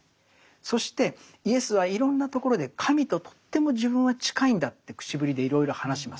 そしてイエスはいろんなところで神ととっても自分は近いんだって口ぶりでいろいろ話します。